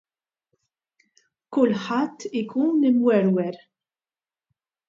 Kulħadd ikun imwerwer.